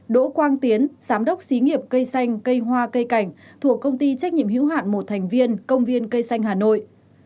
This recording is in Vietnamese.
đỗ quang tiến giám đốc xí nghiệp cây xanh cây hoa cây cảnh thuộc công ty trách nhiệm hữu hạn một thành viên công viên cây xanh hà nội